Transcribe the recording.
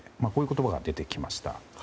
この言葉が出てきました。